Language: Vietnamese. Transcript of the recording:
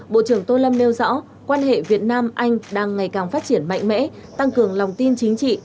bộ trưởng tô lâm nêu rõ quan hệ việt nam anh đang ngày càng phát triển mạnh mẽ tăng cường lòng tin chính trị